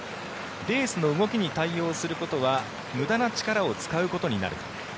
レースの動きに対応することは無駄な力を使うことになる。